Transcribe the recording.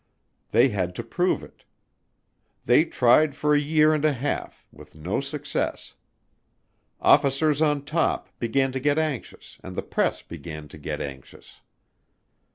They had to prove it. They tried for a year and a half with no success. Officers on top began to get anxious and the press began to get anxious.